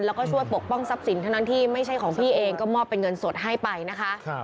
แล้วก็ช่วยปกป้องทรัพย์สินทั้งนั้นที่ไม่ใช่ของพี่เองก็มอบเป็นเงินสดให้ไปนะคะ